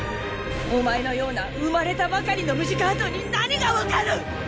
お前のような生まれたばかりのムジカートに何がわかる！